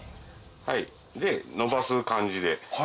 はいでのばす感じで。